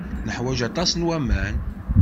Neḥwaj aṭas n waman.